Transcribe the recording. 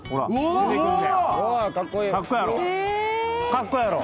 かっこええやろ？